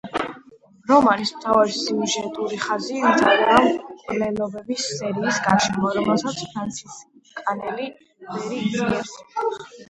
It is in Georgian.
რომანის მთავარი სიუჟეტური ხაზი ვითარდება მკვლელობების სერიის გარშემო, რომელსაც ფრანცისკანელი ბერი იძიებს.